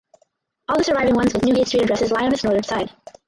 All the surviving ones with Newgate street addresses lie on its northern side.